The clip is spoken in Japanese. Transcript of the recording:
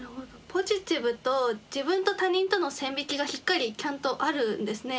ポジティブと自分と他人との線引きがしっかりちゃんとあるんですね